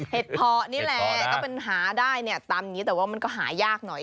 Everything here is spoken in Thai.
เหตุผลนี้แหละก็เป็นหาได้เนี่ยตามจุดนี้แต่ว่ามันก็หายากหน่อย